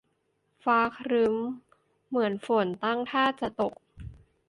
ฟ้าครึ้มเหมือนฝนตั้งท่าจะตก